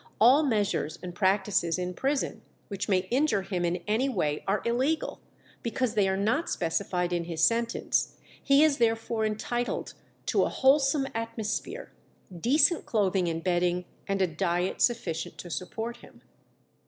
"All measures and practices in prison which may injure him in any way are illegal, because they are not specified in his sentence; he is therefore entitled to a wholesome atmosphere, decent clothing and bedding, and a diet sufficient to support him."